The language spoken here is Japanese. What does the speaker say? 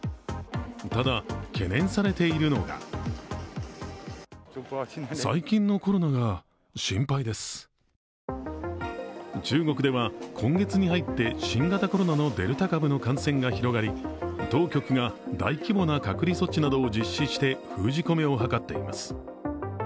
ただ、懸念されているのが中国では、今月に入って新型コロナのデルタ株の感染が広がり当局が大規模な隔離措置などを実施して封じ込めを図っています。